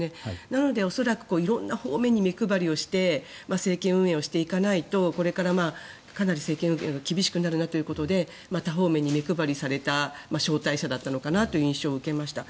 なので恐らく色んな方面に目配りをして政権運営をしていかないとこれからかなり政権運営が厳しくなるなということで多方面に目配りされた招待者だったのかなという印象を受けました。